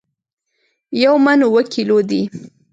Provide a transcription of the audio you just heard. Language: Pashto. یو من اوو کیلو دي